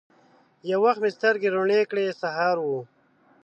یو وخت مې سترګي روڼې کړې ! سهار و